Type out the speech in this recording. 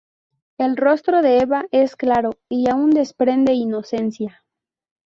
El rostro de Eva es claro, y aún desprende inocencia.